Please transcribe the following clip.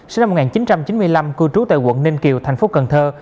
sinh năm một nghìn chín trăm chín mươi năm cư trú tại quận ninh kiều thành phố cần thơ